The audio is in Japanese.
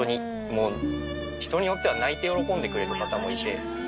もう人によっては、泣いて喜んでくれる方もいて。